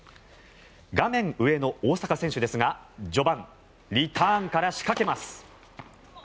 画面上の大坂選手ですが序盤、リターンから仕掛けます。